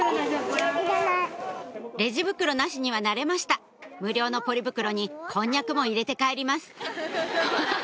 レジ袋なしには慣れました無料のポリ袋にこんにゃくも入れて帰ります